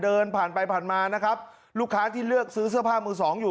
เดินผ่านไปผ่านมานะครับลูกค้าที่เลือกซื้อเสื้อผ้ามือสองอยู่